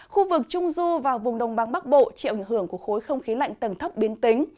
khu vực trung du và vùng đồng bằng bắc bộ chịu ảnh hưởng của khối không khí lạnh tầng thấp biến tính